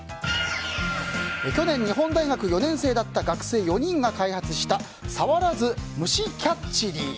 去年、日本大学４年生だった学生４人が開発した触らずむしキャッチリー。